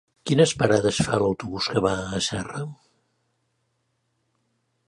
Quines parades fa l'autobús que va a Serra?